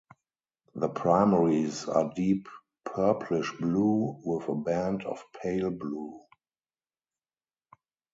The primaries are deep purplish blue with a band of pale blue.